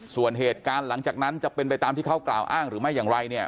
ส่วนเหตุการณ์หลังจากนั้นจะเป็นไปตามที่เขากล่าวอ้างหรือไม่อย่างไรเนี่ย